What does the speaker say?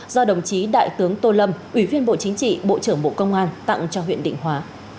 do đồng chí đại tướng tô lâm ủy viên bộ chính trị bộ trưởng bộ công an tặng cho huyện định hóa